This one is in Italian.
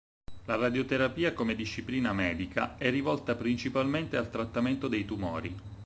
La radioterapia come disciplina medica, è rivolta principalmente al trattamento dei tumori.